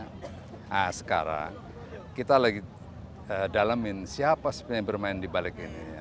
nah sekarang kita lagi dalamin siapa sebenarnya yang bermain di balik ini